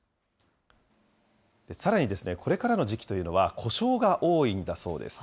さらにですね、これからの時期というのは、故障が多いんだそうです。